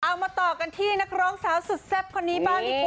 เอามาต่อกันที่นักร้องสาวสุดแซ่บคนนี้บ้างดีกว่า